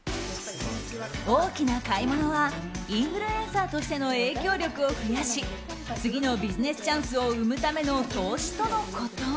大きな買い物はインフルエンサーとしての影響力を増やし次のビジネスチャンスを生むための投資とのこと。